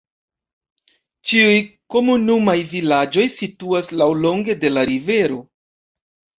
Ĉiuj komunumaj vilaĝoj situas laŭlonge de la rivero.